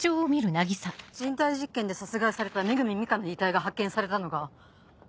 人体実験で殺害された恵美佳の遺体が発見されたのが。